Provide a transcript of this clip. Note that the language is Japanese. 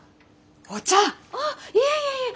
あいえいえいえ！